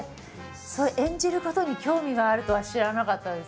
演じることに興味があるとは知らなかったです。